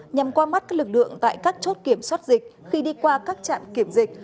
nhằm qua mắt các lực lượng tại các chốt kiểm soát dịch khi đi qua các trạm kiểm dịch